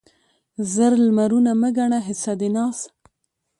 زر لمرونه مه ګڼه حصه د ناز